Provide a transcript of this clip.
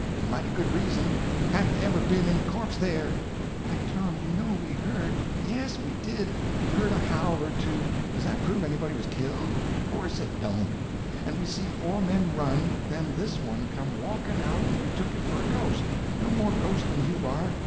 "Mighty good reason. Hadn't ever been any corpse there." "Why, Tom, you know we heard—" "Yes, we did—heard a howl or two. Does that prove anybody was killed? Course it don't. And we seen four men run, then this one come walking out and we took it for a ghost. No more ghost than you are.